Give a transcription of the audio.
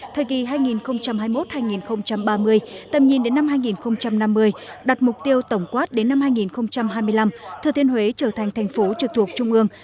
thời kỳ hai nghìn hai mươi một hai nghìn ba mươi tầm nhìn đến năm hai nghìn năm mươi đặt mục tiêu tổng quát đến năm hai nghìn hai mươi năm thừa thiên huế trở thành thành phố trực thuộc trung ương